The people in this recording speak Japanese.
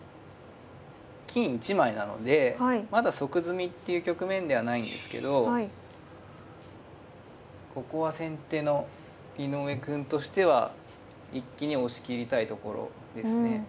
金１枚なのでまだ即詰みっていう局面ではないんですけどここは先手の井上くんとしては一気に押し切りたいところですね。